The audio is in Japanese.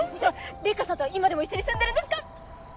麗華さんとは今でも一緒に住んでるんですか？